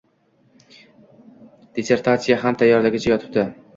Dissertatsiya ham tayyorligicha yotibdi...